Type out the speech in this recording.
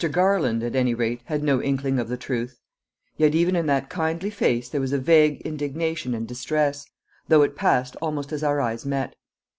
Garland, at any rate, had no inkling of the truth. Yet even in that kindly face there was a vague indignation and distress, though it passed almost as our eyes met.